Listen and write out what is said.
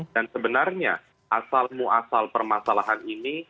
dan sebenarnya asal muasal permasalahan ini